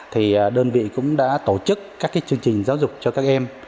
thì đơn vị cũng đã tổ chức các chương trình giáo dục cho các em